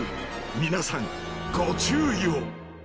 皆さんご注意を！